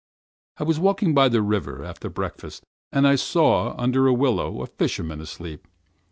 I was walking by the river, after breakfast. And I saw, under a willow, a fisherman asleep.